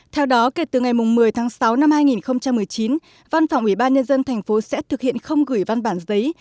theo đó kể từ ngày một mươi tháng sáu năm hai nghìn một mươi chín văn phòng ubnd tp sẽ thực hiện không gửi văn bản giấy